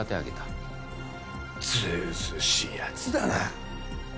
ずうずうしい奴だな。